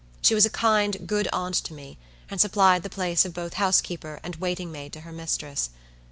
She was a kind, good aunt to me; and supplied the place of both housekeeper and waiting maid to her mistress.